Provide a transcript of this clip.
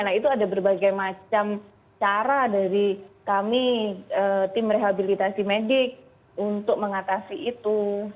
nah itu ada berbagai macam cara dari kami tim rehabilitasi medik untuk mengatasi itu